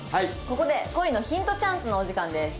ここで恋のヒントチャンスのお時間です。